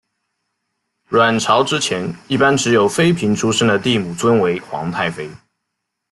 阮朝之前一般只有妃嫔出身的帝母尊为皇太妃。